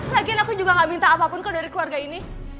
mungkin aku juga gak minta apapun kalau dari keluarga ini